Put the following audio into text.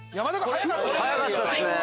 早かったっすね。